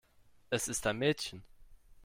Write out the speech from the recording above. Es ist ein Mädchen.